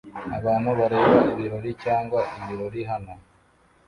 Abantu bareba ibirori cyangwa ibirori hano